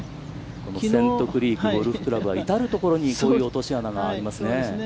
このセントクリークゴルフクラブは至るところにこういう落とし穴がありますね。